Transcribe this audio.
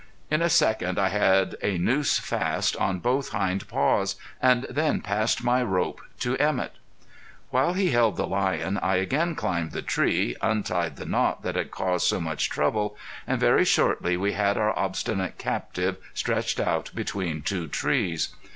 In a second I had a noose fast on both hind paws, and then passed my rope to Emett. While he held the lion I again climbed the tree, untied the knot that had caused so much trouble, and very shortly we had our obstinate captive stretched out between two trees.